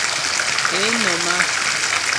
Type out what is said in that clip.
Ě nɔ̀m á.